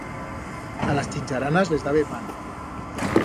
A las chincharanas les dabe pan.